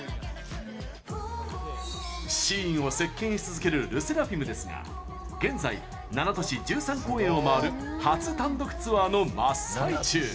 シーンを席けんし続けるＬＥＳＳＥＲＡＦＩＭですが現在７都市１３公演を回る初単独ツアーの真っ最中。